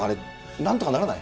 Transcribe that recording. なんとかならない？